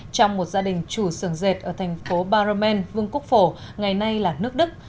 trong một gia đình chủ sường dệt ở thành phố baromen vương quốc phổ ngày nay là nước đức